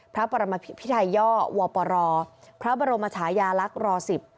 พระปรมภิพิทัยย่อวปรพระบรมชายาลักษณ์ร๑๐